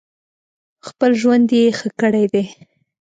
خپل ژوند یې ښه کړی دی.